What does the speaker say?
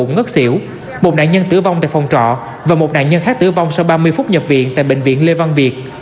ngất xỉu một nạn nhân tử vong tại phòng trọ và một nạn nhân khác tử vong sau ba mươi phút nhập viện tại bệnh viện lê văn việt